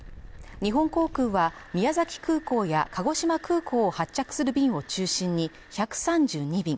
日本航空は宮崎空港や鹿児島空港を発着する便を中心に１３２便